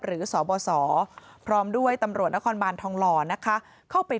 สบสพร้อมด้วยตำรวจนครบานทองหล่อนะคะเข้าไป